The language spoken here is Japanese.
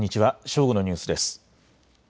正午のニュースです。